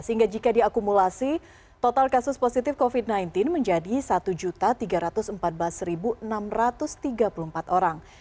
sehingga jika diakumulasi total kasus positif covid sembilan belas menjadi satu tiga ratus empat belas enam ratus tiga puluh empat orang